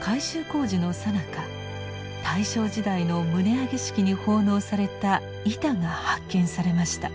改修工事のさなか大正時代の棟上げ式に奉納された板が発見されました。